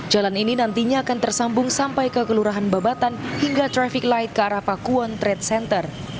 jalan ini nantinya akan tersambung sampai ke kelurahan babatan hingga traffic light ke arah pakuwon trade center